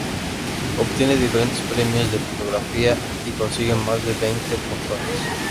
Obtiene diferentes premios de fotografía y consigue más de veinte portadas.